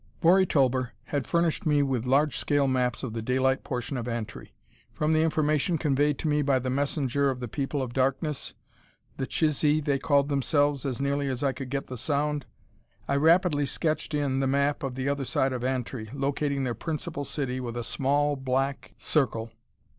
Bori Tulber had furnished me with large scale maps of the daylight portion of Antri. From the information conveyed to me by the messenger of the people of darkness the Chisee they called themselves, as nearly as I could get the sound I rapidly sketched in the map of the other side of Antri, locating their principal city with a small black circle.